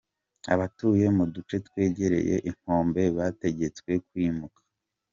Abatuye mu duce twegereye inkombe bategetswe kwimuka.